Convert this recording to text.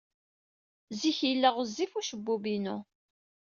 Zik yella ɣezzif ucebbub-inu.